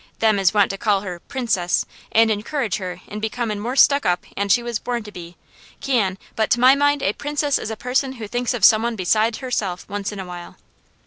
Them as want to call her kind 'Princess,' and encourage her in being more stuck up 'an she was born to be, can, but to my mind a Princess is a person who thinks of some one besides herself once in a while."